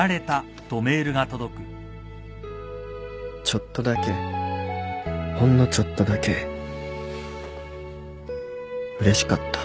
ちょっとだけほんのちょっとだけうれしかった